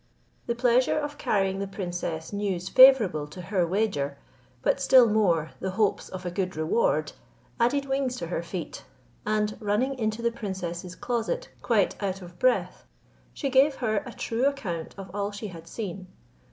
The pleasure of carrying the princess news favourable to her wager, but still more the hopes of a good reward, added wings to her feet, and running into the princess's closet quite out of breath, she gave her a true account of all she had seen.